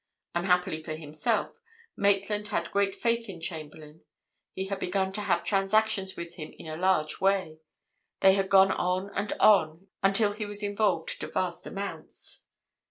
Unhappily for himself, Maitland had great faith in Chamberlayne. He had begun to have transactions with him in a large way; they had gone on and on in a large way until he was involved to vast amounts.